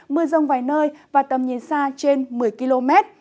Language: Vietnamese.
mưa rông vài nơi và tầm nhìn xa trên một mươi km